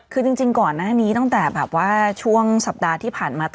คือจริงก่อนหน้านี้ตั้งแต่แบบว่าช่วงสัปดาห์ที่ผ่านมา